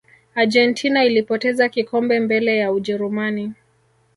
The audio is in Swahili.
argentina ilipoteza kikombe mbele ya ujerumani